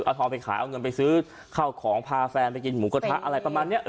เอาทองไปขายเอาเงินไปซื้อข้าวของพาแฟนไปกินหมูกระทะอะไรประมาณนี้